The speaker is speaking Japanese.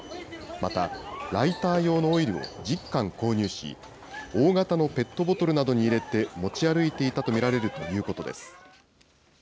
また、ライター用のオイルを１０缶購入し、大型のペットボトルなどに入れて持ち歩いていたと見られるということです。